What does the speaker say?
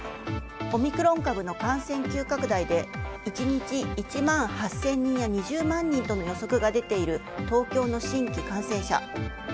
オミクロン株の感染急拡大で１日、１万８０００人や２０万人との予測が出ている東京の新規感染者。